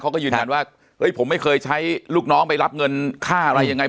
เขาก็ยืนยันว่าผมไม่เคยใช้ลูกน้องไปรับเงินค่าอะไรยังไง